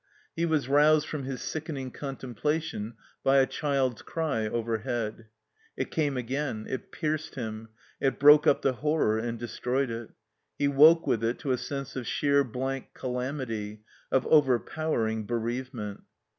He was roused from his sickening contemplation by a child's cry overhead. It came again; it pierced him; it broke up the horror and destroyed it. He woke with it to a sense of sheer blank calamity, of overpowering bereavement.